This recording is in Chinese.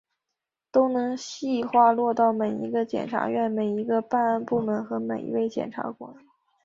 都能细化落到每一个检察院、每一个办案部门和每一位检察官